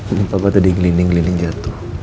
ini bapak tadi gelining gelining jatuh